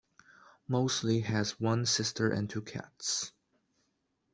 Mosley has one sister and two cats.